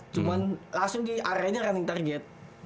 cuman langsung di areanya running target